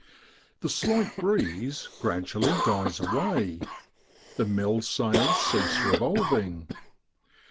The slight breeze gradually dies away ; the mill sails cease revolving.